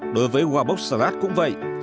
đối với wabox salad cũng vậy